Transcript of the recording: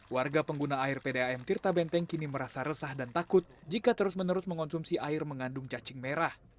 warga pengguna air pdam tirta benteng kini merasa resah dan takut jika terus menerus mengonsumsi air mengandung cacing merah